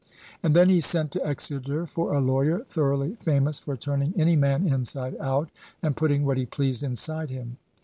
And then he sent to Exeter for a lawyer, thoroughly famous for turning any man inside out and putting what he pleased inside him.